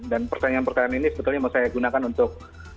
dan pertanyaan pertanyaan ini sebetulnya mau saya gunakan untuk